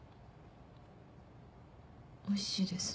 おいしいです。